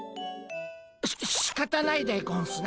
ししかたないでゴンスな。